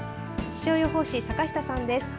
気象予報士、坂下さんです。